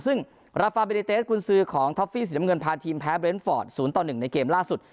ซึ่งราฟาเบรดิเตสกุลสื่อของท็อปฟี่ศรีดำเงินพาทีมแพ้เบรนด์ฟอร์ด๐๑ในเกมล่าสุด